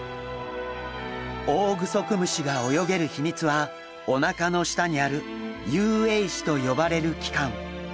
オオグソクムシが泳げる秘密はおなかの下にある遊泳肢と呼ばれる器官。